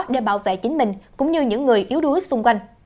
để bảo vệ chính mình cũng như những người yếu đuối xung quanh